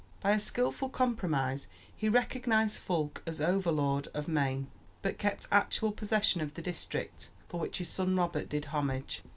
By a skilful compromise he recognized Fulk as overlord of Maine, but kept actual possession of the district, for which his son Robert did homage.